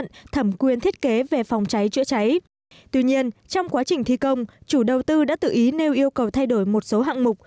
tuy nhiên trong quá trình thi công chủ đầu tư đã tự ý nêu yêu cầu thay đổi một số hạng mục